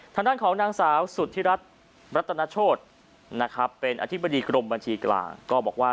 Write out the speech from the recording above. ทางด้านของนางสาวสุธิรัฐรัตนโชธนะครับเป็นอธิบดีกรมบัญชีกลางก็บอกว่า